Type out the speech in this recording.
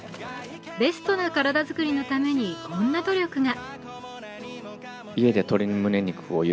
ベストな体作りのためにこんな努力が。